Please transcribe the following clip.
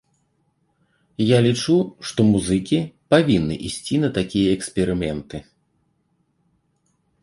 Я лічу, што музыкі павінны ісці на такія эксперыменты.